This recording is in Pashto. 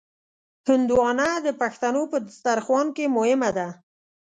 هندوانه د پښتنو په دسترخوان کې مهمه ده.